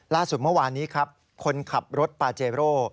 ล่าสุดเมื่อวานนี้ครับคนขับรถปาเจโร่